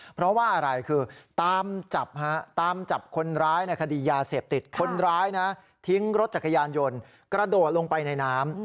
เพราะว่าอะไรคือตามจับฮะตามจับคนร้ายในคดียาเสพติดคนร้ายนะทิ้งรถจักรยานยนต์กระโดดลงไปในน้ำ